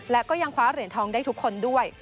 และก็ยังคว้าเหรียญทองได้ทุกคนด้วย